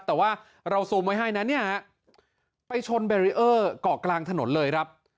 แต่ว่าเราซูมไว้ให้นะเนี่ยฮะไปชนแบรีเออร์เกาะกลางถนนเลยครับ